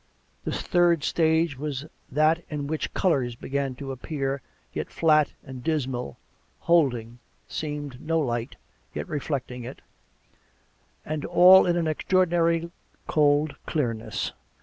The third stage was that in which colours began to appear, yet flat and dismal, holding, it seemed, no light, yet reflecting it; and all in an extraordinary cold clearness.